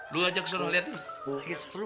lu aja keseluruh lihat lagi seteru